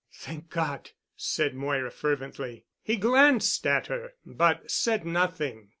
"Thank God," said Moira fervently. He glanced at her but said nothing.